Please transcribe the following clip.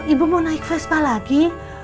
ibu mau naik vespa lagi